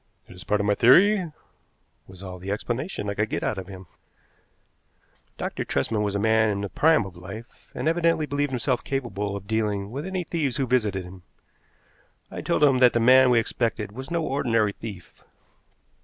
"It is part of my theory," was all the explanation I could get out of him. Dr. Tresman was a man in the prime of life, and evidently believed himself capable of dealing with any thieves who visited him. I told him that the man we expected was no ordinary thief.